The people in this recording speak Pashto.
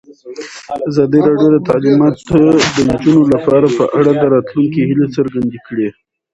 ازادي راډیو د تعلیمات د نجونو لپاره په اړه د راتلونکي هیلې څرګندې کړې.